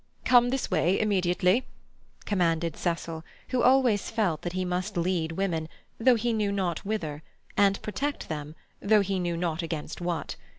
"Come this way immediately," commanded Cecil, who always felt that he must lead women, though he knew not whither, and protect them, though he knew not against what.